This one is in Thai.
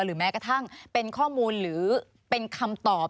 แม้กระทั่งเป็นข้อมูลหรือเป็นคำตอบ